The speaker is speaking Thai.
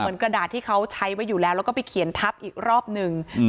กระดาษที่เขาใช้ไว้อยู่แล้วแล้วก็ไปเขียนทับอีกรอบหนึ่ง